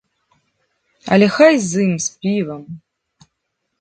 Але хай з ім, з півам.